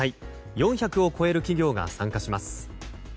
４００を超える企業が参加します。